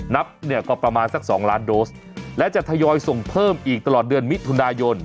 นับเนี่ยก็ประมาณสัก๒ล้านโดสและจะทยอยส่งเพิ่มอีกตลอดเดือนมิถุนายน